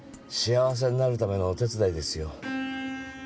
幸せになるためのお手伝いですよ。